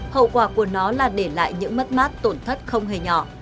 hậu quả của nó là để lại những mất mát tổn thất không hề nhỏ